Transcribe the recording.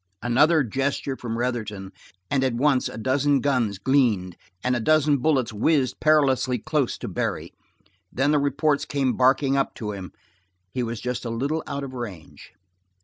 Another gesture from Retherton, and at once a dozen guns gleaned, and a dozen bullets whizzed perilously close to Barry, then the reports came barking up to him; he was just a little out of range.